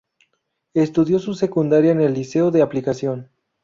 Estudió su secundaria en el Liceo de Aplicación.